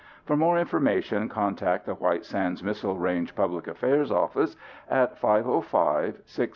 For more information, contact the White Sands Missile Range Public Affairs Office at (505) 678 1134/1700.